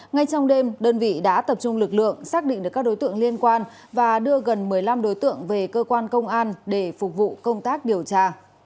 ngay trong đêm đơn vị đã tập trung lực lượng xác định được các đối tượng liên quan và đưa gần một mươi năm đối tượng về cơ quan công an để phục vụ công tác điều tra